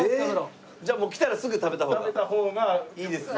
じゃあもう来たらすぐ食べた方がいいですね。